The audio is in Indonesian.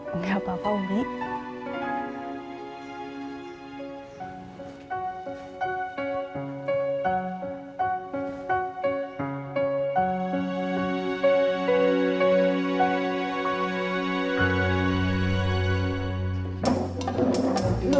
umi apoi amin dulu ya